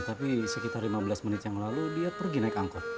tapi sekitar lima belas menit yang lalu dia pergi naik angkot